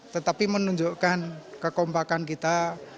tetapi menunjukkan kekompakan kita